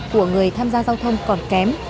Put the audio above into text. của người tham gia giao thông còn kém